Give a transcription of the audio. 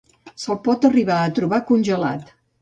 Se'l pot arribar a trobar congelat.